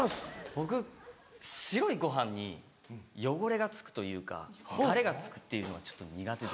僕白いご飯に汚れがつくというかタレがつくっていうのがちょっと苦手で。